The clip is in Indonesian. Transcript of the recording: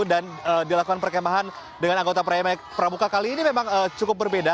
dilakukan perkemahan dengan anggota pramuka kali ini memang cukup berbeda